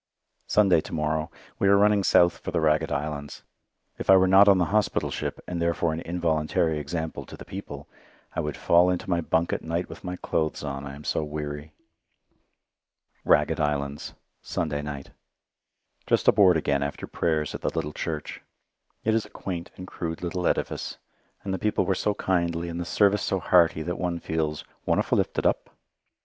Sunday to morrow. We are running south for the Ragged Islands. If I were not on the hospital ship, and therefore an involuntary example to the people, I would fall into my bunk at night with my clothes on, I am so weary. Ragged Islands Sunday night Just aboard again after Prayers at the little church. It is a quaint and crude little edifice, and the people were so kindly and the service so hearty that one feels "wonderfu' lifted up."